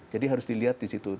jadi harus dilihat di situ